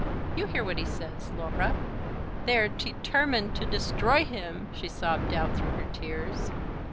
"You hear what he says, Laura." "They are determined to destroy him," she sobbed out, through her tears.